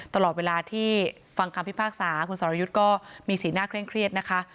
ตลอดเวลาที่ฟังคำพิพากษาคุณสรยุทธ์ก็มีสีหน้าเคร่งเครียดนะคะ